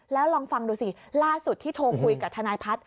แล้วลองฟังดูสิล่าสุดที่โทรคุยกับทนายพัฒน์